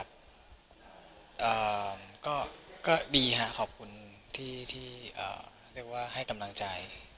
ก็มีได้เห็นบ้างคือดีครับขอบคลูกภาพในที่ว่าให้กำลังใจ